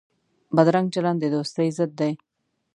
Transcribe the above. بدرنګه چلند د دوستۍ ضد دی